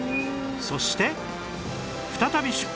そして再び出発！